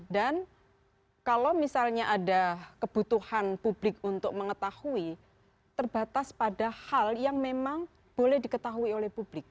dan kalau misalnya ada kebutuhan publik untuk mengetahui terbatas pada hal yang memang boleh diketahui oleh publik